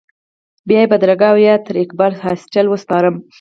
بیا یې بدرګه او یا یې تر اقبال هاسټل وسپارم.